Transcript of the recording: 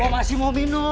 masih mau minum